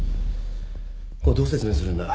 これどう説明するんだ？